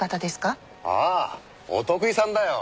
ああお得意さんだよ。